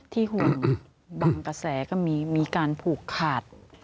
ห่วงบางกระแสก็มีการผูกขาด